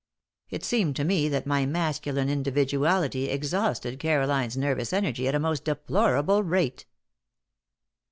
It seemed to me that my masculine individuality exhausted Caroline's nervous energy at a most deplorable rate.